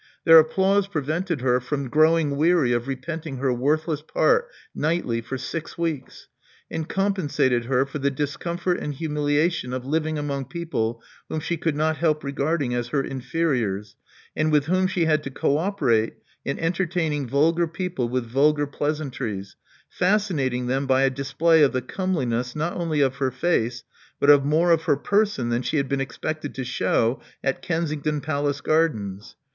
Their applanse prevented her from growing weary of repeating her worthless part nightly for six weekSi. and compensated her for the discomfort and humiliation of living among people whom she could not help regarding as her inferiors, and with whom she had to co operate in entertaining vulgar people with vulgar pleasantries, fascinating them by a display of the comeliness, not only of her face, but of more of her person than she had been expected to shew at Kensington Palace Gardens.